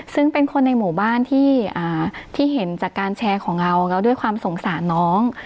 ซึ่งเป็นคนในหมู่บ้านที่เห็นจากการแชร์ของเราแล้วด้วยความสงสารน้อง